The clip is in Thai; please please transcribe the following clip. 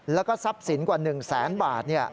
แล้วก็ทรัพย์สินกว่า๑แสนบาท